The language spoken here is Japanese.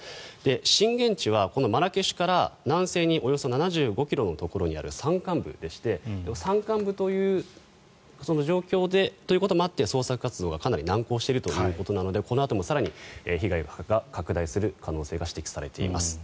震源地はマラケシュから南西におよそ７５ｋｍのところにある山間部でして、山間部というその状況ということもあって捜索活動がかなり難航しているということなのでこのあとも更に被害が拡大する可能性が指摘されています。